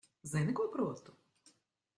Zini, ko protu?